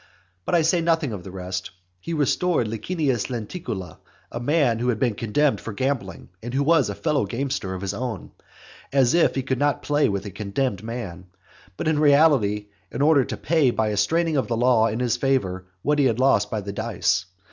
But I say nothing of the rest. He restored Licinius Lenticula, a man who had been condemned for gambling, and who was a fellow gamester of his own. As if he could not play with a condemned man; but in reality, in order to pay by a straining of the law in his favour, what he had lost by the dice.